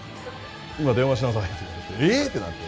今電話しなさい」って言われて「ええっ！？」ってなって。